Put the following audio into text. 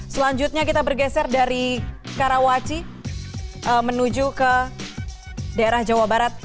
selanjutnya kita bergeser dari karawaci menuju ke daerah jawa barat